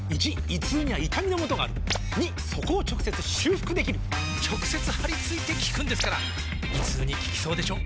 ①胃痛には痛みのもとがある②そこを直接修復できる直接貼り付いて効くんですから胃痛に効きそうでしょ？